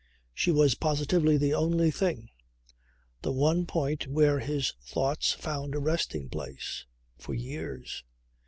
She was positively the only thing, the one point where his thoughts found a resting place, for years.